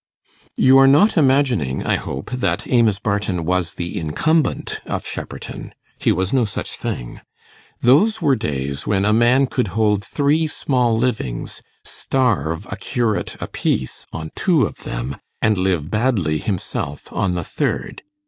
You are not imagining, I hope, that Amos Barton was the incumbent of Shepperton. He was no such thing. Those were days when a man could hold three small livings, starve a curate a piece on two of them, and live badly himself on the third.